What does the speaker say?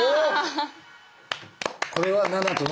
これは７と７。